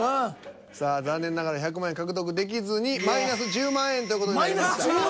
さあ残念ながら１００万円獲得できずにマイナス１０万円という事になりました。